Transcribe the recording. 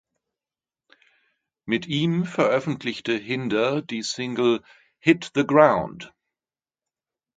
Mit ihm veröffentlichte Hinder die Single "Hit the Ground".